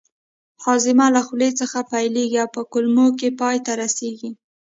هاضمه له خولې څخه پیلیږي او په کولمو کې پای ته رسیږي